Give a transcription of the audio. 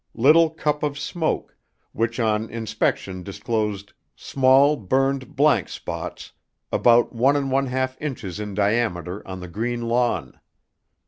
LITTLE CUP OF SMOKE, WHICH ON INSPECTION DISCLOSED SMALL BURNED ____ SPOTS ABOUT ONE AND ONE HALF INCHES IN DIAMETER ON THE GREEN LAWN.